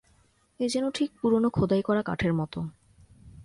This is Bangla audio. এ যেন ঠিক পুরনো খোদাই করা কাঠের মতো।